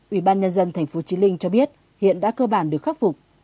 ủy ban nhân dân tp chí linh cho biết hiện đã cơ bản được khắc phục